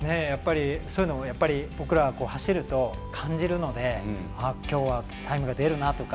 そういうのも僕ら、走ると感じるのできょうは、タイムが出るなとか。